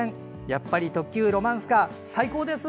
やっぱり特急ロマンスカー最高です！